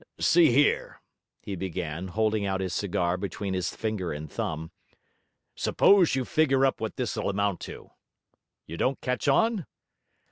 'See here,' he began, holding out his cigar between his finger and thumb, 'suppose you figure up what this'll amount to. You don't catch on?